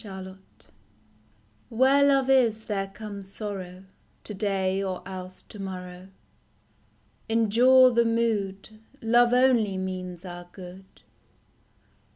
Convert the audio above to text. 7t7HERE love is, there comes sorrow To day or else to morrow ; Endure the mood, Love only means our good.